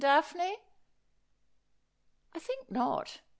Daphne ?'' I think not.